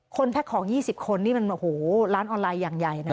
แพ็คของ๒๐คนนี่มันโอ้โหร้านออนไลน์อย่างใหญ่นะ